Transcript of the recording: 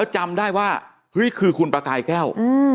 จำได้ว่าเฮ้ยคือคุณประกายแก้ว